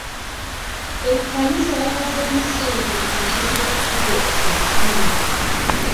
Ekkanisa yataddemu ssente mu kuzimba ekkubo ekkulu.